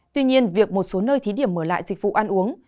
tuy nhiên việc một số nơi thí điểm mở lại dịch vụ ăn uống